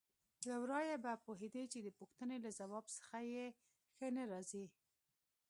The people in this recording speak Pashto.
له ورايه به پوهېدې چې د پوښتنې له ځواب څخه یې ښه نه راځي.